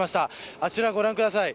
あちら、ご覧ください。